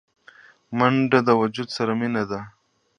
منډه د وجود سره مینه ده